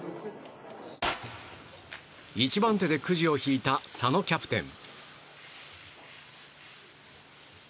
１番手でくじを引いた佐野キャプテン。